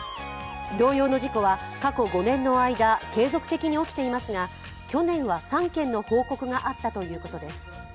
同様の事故は過去５年の間、継続的に起きていますが去年は３件の報告があったということです。